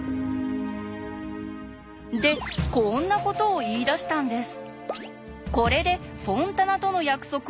でこんなことを言いだしたんです。